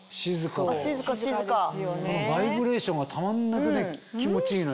このバイブレーションがたまんなくね気持ちいいのよ。